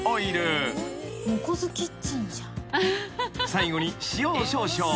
［最後に塩を少々。